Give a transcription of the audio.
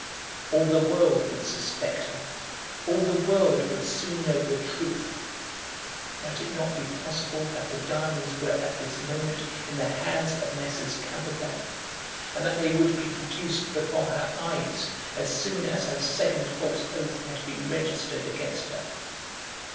All the world would suspect her. All the world would soon know the truth. Might it not be possible that the diamonds were at this moment in the hands of Messrs. Camperdown, and that they would be produced before her eyes, as soon as her second false oath had been registered against her?